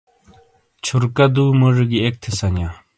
چھورکا دو موجوی گی اک تھے سنیا۔